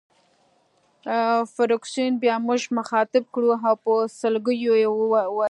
فرګوسن بیا موږ مخاطب کړو او په سلګیو یې وویل.